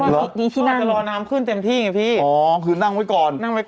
ล่ะพอจะรอน้ำขึ้นเต็มที่ไงพี่อ๋อคืนนั่งไว้ก่อนนั่งไว้ก่อน